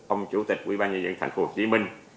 ông chủ tịch quỹ ban nhân dân thành phố hồ chí minh